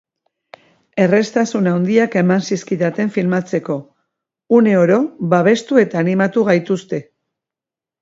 Erraztasun handiak eman zizkidaten filmatzeko, une oro babestu eta animatu gaituzte.